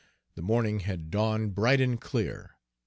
The morning had dawned bright and clear.